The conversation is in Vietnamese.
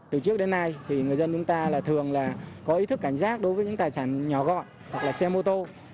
từ trước đến nay thì người dân chúng ta là thường là có ý thức cảnh giác đối với những tài sản nhỏ gọn hoặc là xe mô tô